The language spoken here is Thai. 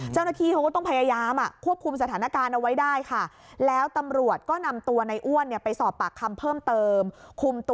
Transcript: เจ้าหน้าที่เขาก็ต้องพยายามควบคุมสถานการณ์เอาไว้ได้ค่ะ